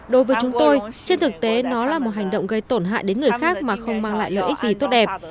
đối với chúng tôi trên thực tế nó là một hành động gây tổn hại đến người khác mà không mang lại lợi ích gì tốt đẹp